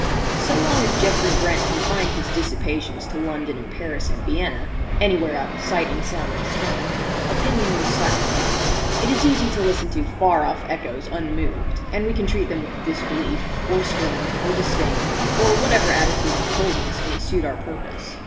So long as Geoffrey Brent confined his dissipations to London and Paris and Vienna—anywhere out of sight and sound of his home—opinion was silent. It is easy to listen to far off echoes unmoved, and we can treat them with disbelief, or scorn, or disdain, or whatever attitude of coldness may suit our purpose.